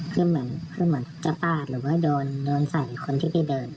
คือเหมือนคือเหมือนจ้าปาดหรือว่าโยนโยนใส่คนที่ไปเดิน